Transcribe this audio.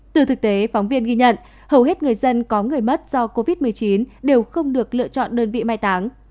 từ thực tế phóng viên ghi nhận hầu hết người dân có người mất do covid một mươi chín đều không được lựa chọn đơn vị mai táng